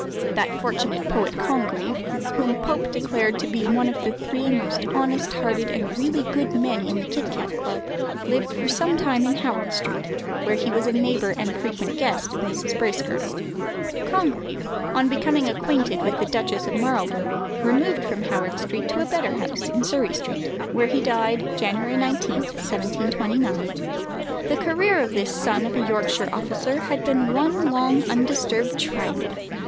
That fortunate poet, Congreve, whom Pope declared to be one of the three most honest hearted and really good men in the Kit cat Club, lived for some time in Howard Street, where he was a neighbour and frequent guest of Mrs. Bracegirdle. Congreve, on becoming acquainted with the Duchess of Marlborough, removed from Howard Street to a better house in Surrey Street, where he died, January 19, 1729. The career of this son of a Yorkshire officer had been one long undisturbed triumph.